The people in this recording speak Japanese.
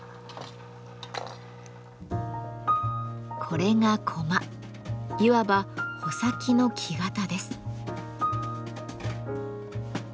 これがいわば穂先の木型です。